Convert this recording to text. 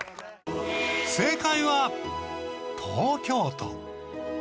正解は東京都。